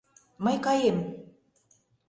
Мый каем.